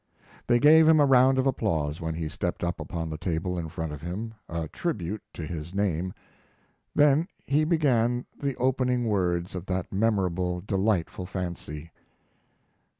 They gave him a round of applause when he stepped up upon the table in front of him a tribute to his name. Then he began the opening words of that memorable, delightful fancy.